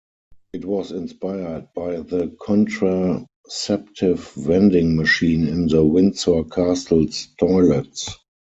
It was inspired by the contraceptive vending machine in the Windsor Castle's toilets.